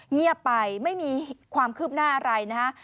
เงียบไปไม่มีความคืบหน้าอะไรนะฮะ